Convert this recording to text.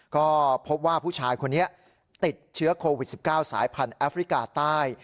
ก็พบว่าผู้ชายคนนี้ติดเชื้อโควิด๑๙สายพันธุ์แอฟริกาใต้